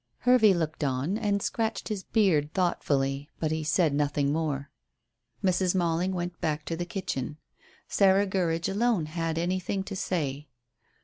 Hervey looked on and scratched his beard thoughtfully, but he said nothing more. Mrs. Malling went back to the kitchen. Sarah Gurridge alone had anything to say.